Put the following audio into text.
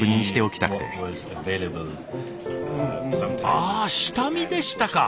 あ下見でしたか。